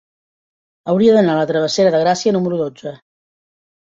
Hauria d'anar a la travessera de Gràcia número dotze.